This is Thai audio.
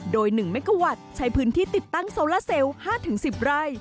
โดย๑เมกาวัตต์ใช้พื้นที่ติดตั้งโซลาเซลล์๕๑๐ไร่